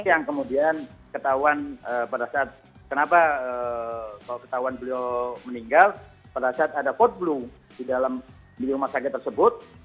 yang kemudian ketahuan pada saat kenapa ketahuan beliau meninggal pada saat ada hot blue di rumah sakit tersebut